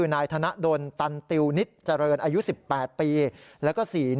๓นายธนะดลตันติวนิตเจริญอายุ๑๘ปี